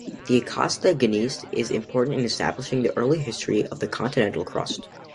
The Acasta Gneiss is important in establishing the early history of the continental crust.